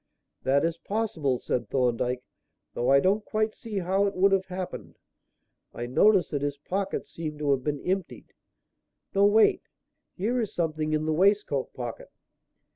"That is possible," said Thorndyke: "though I don't quite see how it would have happened. I notice that his pockets seem to have been emptied no, wait; here is something in the waistcoat pocket."